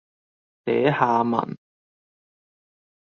寫下文